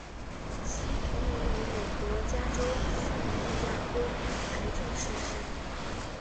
惜同年于美国加州圣地牙哥因癌症逝世。